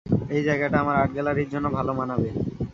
এই জায়গাটা আমার আর্ট গ্যালারির জন্য ভালো মানাবে।